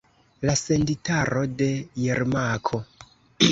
La senditaro de Jermako.